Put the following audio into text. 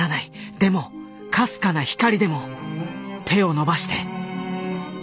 でもかすかな光でも手を伸ばして。